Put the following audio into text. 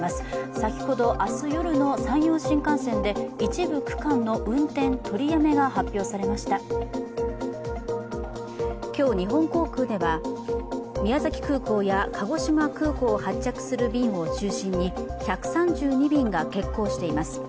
先ほど、明日夜の山陽新幹線で一部区間の今日、日本航空では宮崎空港や鹿児島空港を発着する便を中心に１３２便が欠航しています。